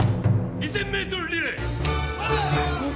２，０００ｍリレー？